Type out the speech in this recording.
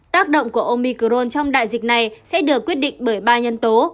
tác động của omicron trong đại dịch này sẽ được quyết định bởi ba nhân tố